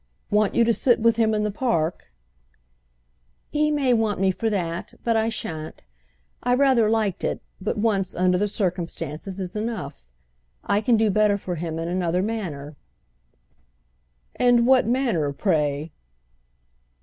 "Want you to sit with him in the Park?" "He may want me for that—but I shan't. I rather liked it, but once, under the circumstances, is enough. I can do better for him in another manner." "And what manner, pray?"